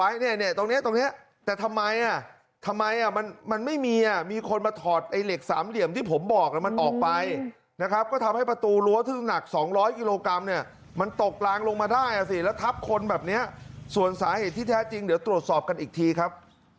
อย่างที่ผมบอกมันออกไปนะครับก็ทำให้ประตูรั้วถึงหนัก๒๐๐กิโลกรัมเนี่ยมันตกลางลงมาได้อ่ะสิแล้วทับคนแบบเนี้ยส่วนสาเหตุที่แท้จริงเดี๋ยวตรวจสอบกันอีกทีครับ